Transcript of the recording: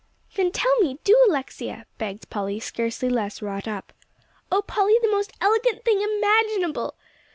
"Then tell me, do, Alexia," begged Polly, scarcely less wrought up. "Oh, Polly, the most elegant thing imaginable!"